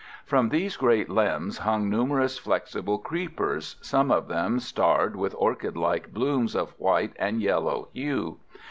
From these great limbs hung numerous flexible creepers, some of them starred with orchid like blooms of white and yellow hue.